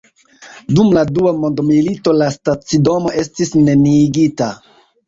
Dum la dua mondmilito la stacidomo estis neniigita.